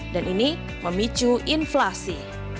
dan ini memicu inflasi